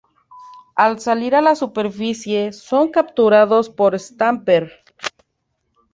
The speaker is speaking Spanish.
Al salir a la superficie son capturados por Stamper.